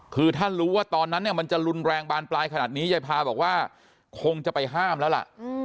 คือถ้ารู้ว่าตอนนั้นเนี่ยมันจะรุนแรงบานปลายขนาดนี้ยายพาบอกว่าคงจะไปห้ามแล้วล่ะ